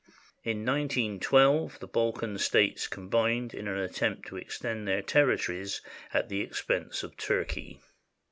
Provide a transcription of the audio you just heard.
In 191 2, the Balkan States combined in an attempt to ex tend their territories at the expense of Turkey.